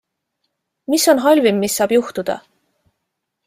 Mis on halvim, mis saab juhtuda?